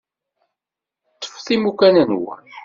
Ṭṭfet imukan-nwen.